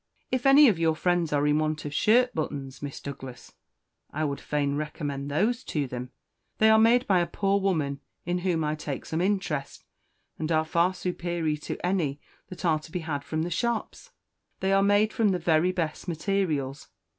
"If any of your friends are in want of shirt buttons, Miss Douglas, I would fain recommend those to them. They are made by a poor woman in whom I take some interest, and are far superior to any that are to be had from the shops. They are made from the very best materials.